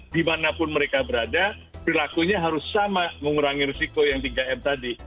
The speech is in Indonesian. dimanapun mereka berada perilakunya harus sama mengurangi risiko yang tiga m tadi